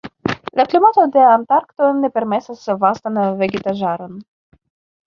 La klimato de Antarkto ne permesas vastan vegetaĵaron.